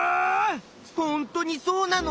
ほんとにそうなの？